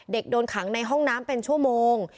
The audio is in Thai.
โดนขังในห้องน้ำเป็นชั่วโมง